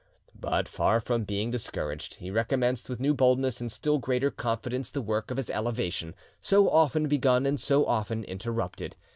But, far from being discouraged, he recommenced with new boldness and still greater confidence the work of his elevation, so often begun and so often interrupted.